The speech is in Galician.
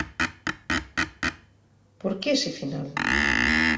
Por que ese final?